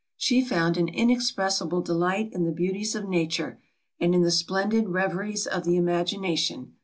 She found an inexpressible delight in the beauties of nature, and in the splendid reveries of the imagination.